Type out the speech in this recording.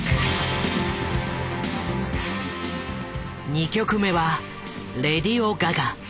２曲目は「レディオガガ」。